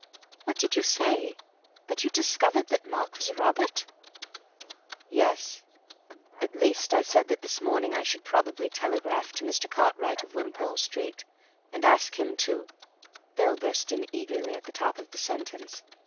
"What did you say? That you'd discovered that Mark was Robert?" "Yes. At least I said that this morning I should probably telegraph to Mr. Cartwright of Wimpole Street, and ask him to—" Bill burst in eagerly on the top of the sentence.